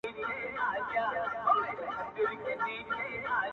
آب حیات د بختورو نصیب سینه٫